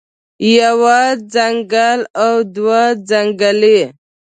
يوه څنګل او دوه څنګلې